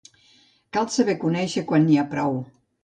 Cal saber conèixer quan n'hi ha prou.